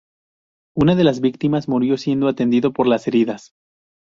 Una de las víctimas murió siendo atendido por las heridas.